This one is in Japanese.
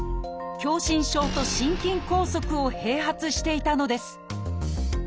狭心症と心筋梗塞を併発していたのです。